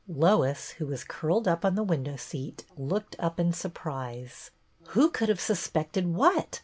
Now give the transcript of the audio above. Lois, who was curled up on the window seat, looked up in surprise. "Who could have suspected what.?